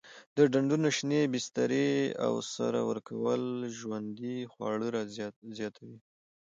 د ډنډونو شینې بسترې او سره ورکول ژوندي خواړه زیاتوي.